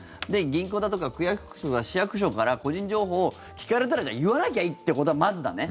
銀行だとか区役所、市役所から個人情報を聞かれたら言わなきゃいいってことはまずだね。